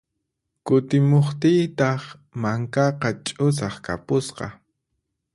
Kutimuqtiytaq mankaqa ch'usaq kapusqa.